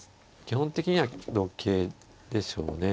基本的には同桂でしょうね。